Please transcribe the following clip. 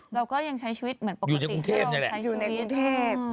เราก็ยังใช้ชีวิตเหมือนปกติถ้าเราใช้ชีวิตอยู่ในกรุงเทพฯอยู่ในกรุงเทพฯ